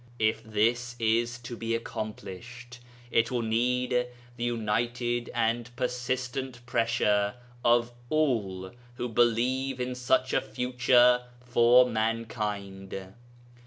If this is to be accomplished it will need the united and persistent pressure of all who believe in such a future for mankind.